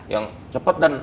yang cepat dan